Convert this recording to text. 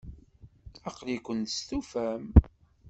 Aql-iken testufam?